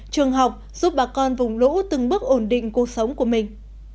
trường học giúp bà con vùng lũ từng bước ổn định cuộc sống của mình